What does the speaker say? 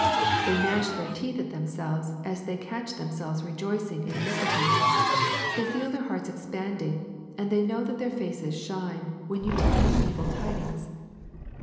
They gnash their teeth at themselves as they catch themselves rejoicing in iniquity. They feel their hearts expanding, and they know that their faces shine, when you tell them evil tidings.